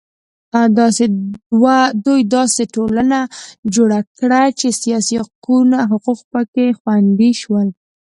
دوی داسې ټولنه جوړه کړه چې سیاسي حقوق په کې خوندي شول.